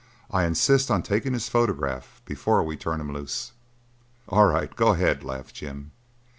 I insist on taking his photograph before we turn him loose." "All right, go ahead," laughed Jim.